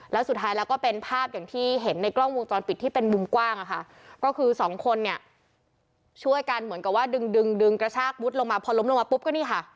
แล้วสุดท้ายแล้วก็เป็นภาพอย่างที่เห็นในกล้องวงจรปิดที่เป็นมุมกว้างอะค่ะก็คือสองคนเนี่ยช่วยกันเหมือนกับว่าดึงดึงกระชากมุดลงมาพอล้มลงมาปุ๊บก็นี่ค่ะ